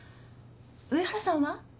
上原さんは？